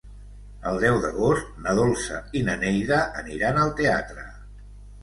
El deu d'agost na Dolça i na Neida aniran al teatre.